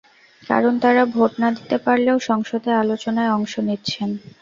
কারণ তাঁরা ভোট না দিতে পারলেও সংসদে আলোচনায় অংশ নিচ্ছেন।